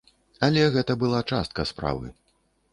Але гэта была частка справы.